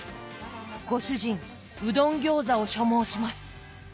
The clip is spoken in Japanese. ご主人うどんギョーザを所望します！